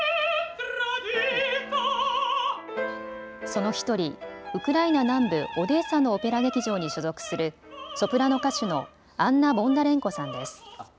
その１人、ウクライナ南部オデーサのオペラ劇場に所属するソプラノ歌手のアンナ・ボンダレンコさんです。